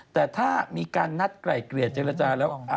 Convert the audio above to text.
แต่ถ้ามีการนัดไกล่เกลี่ยเจรจาแล้ว